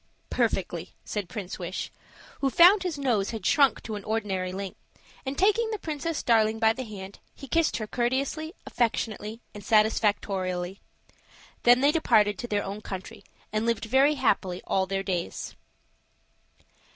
"Perfectly," said Prince Wish, who found his nose had shrunk to an ordinary length. And taking the Princess Darling by the hand, he kissed her courteously, affectionately, and satisfactorily. Then they departed to their own country, and lived very happily all their days.